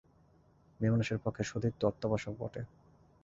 মেয়েমানুষের পক্ষে সতীত্ব অত্যাবশ্যক বটে।